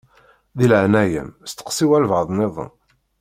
Di leɛnaya-m steqsi walebɛaḍ-nniḍen.